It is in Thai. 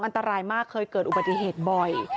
อันตรายมากเคยเกิดอุบัติเหตุบ่อย